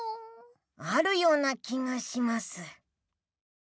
あるような気がします。